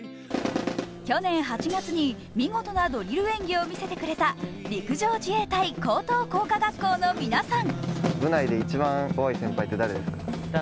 去年８月に見事なドリル演技を見せてくれた陸上自衛隊高等工科学校の皆さん。